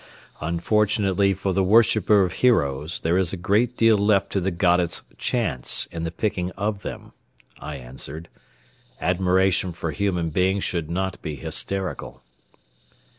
"Unfortunately for the worshipper of heroes, there is a great deal left to the goddess Chance, in the picking of them," I answered. "Admiration for human beings should not be hysterical."